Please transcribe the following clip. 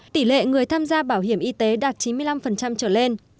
tỷ lệ người tham gia bảo hiểm y tế đạt chín mươi năm trở lên